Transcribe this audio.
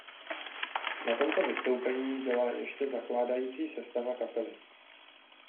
Na tomto vystoupení byla ještě zakládající sestava kapely.